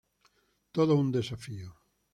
Todo un desafío.